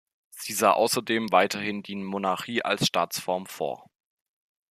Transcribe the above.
Sie sah außerdem weiterhin die Monarchie als Staatsform vor.